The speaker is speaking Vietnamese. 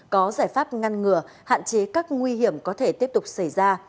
có giải pháp ngăn ngừa hạn chế các nguy hiểm có thể tiếp tục xảy ra